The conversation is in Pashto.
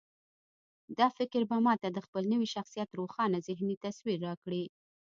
دا فکر به ما ته د خپل نوي شخصيت روښانه ذهني تصوير راکړي.